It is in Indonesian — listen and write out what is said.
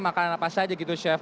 makanan apa saja gitu chef